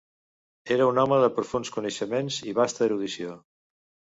Era un home de profunds coneixements i vasta erudició.